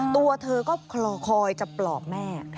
ตัวเธอก็คอยจะปลอบแม่